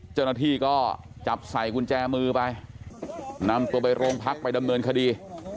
เจ้าหน้าที่ก็จับใส่กุญแจมือไปนำตัวไปโรงพักไปดำเนินคดี